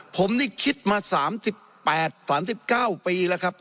ผมนี่คิดมา๓๘๓๙ปีแล้วครับ